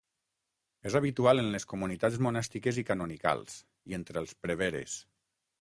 És habitual en les comunitats monàstiques i canonicals, i entre els preveres.